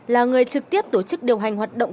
là người trực tiếp tổ chức điều hành hoạt động